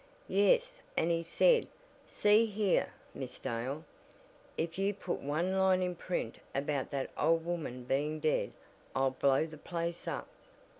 "Yes, and he said: 'See here, Miss Dale, if you put one line in print about that old woman being dead I'll blow the place up.'"